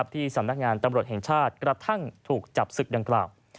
ที่สำนักงานตำรวจแห่งชาติกระทั่งถูกจับศึกดังกล่าว